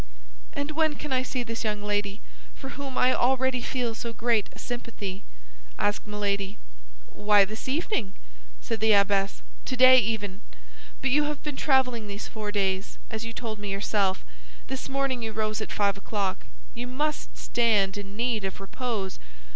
"And when can I see this young lady, for whom I already feel so great a sympathy?" asked Milady. "Why, this evening," said the abbess; "today even. But you have been traveling these four days, as you told me yourself. This morning you rose at five o'clock; you must stand in need of repose.